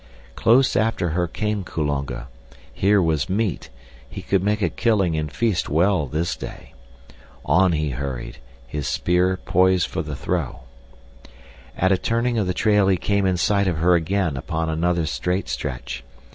Close after her came Kulonga. Here was meat. He could make a killing and feast well this day. On he hurried, his spear poised for the throw. At a turning of the trail he came in sight of her again upon another straight stretch.